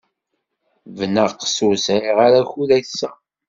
Bnaqes, ur sɛiɣ ara akud ass-a.